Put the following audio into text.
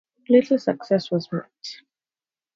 Little success was met.